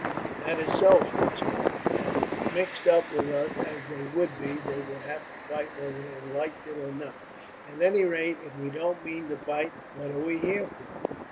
"That is so, Francois; but, mixed up with us as they would be, they would have to fight whether they liked it or not. At any rate, if we don't mean to fight, what are we here for?"